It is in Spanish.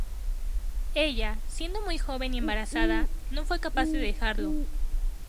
Ella, siendo muy joven y embarazada, no fue capaz de dejarlo.